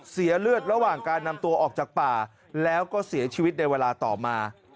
เสียเลือดระหว่างการนำตัวออกจากป่าแล้วก็เสียชีวิตในเวลาต่อมา